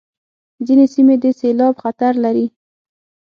ځینې سیمې د سېلاب خطر لري.